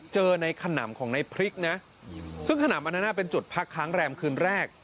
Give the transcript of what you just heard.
เจอในขนมของนายพริกนะซึ่งขนมอาณาเป็นจุดพักค้างแรมคืนแรก